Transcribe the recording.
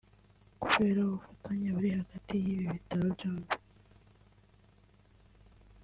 Kubera ubufatanye buri hagati y’ibi bitaro byombi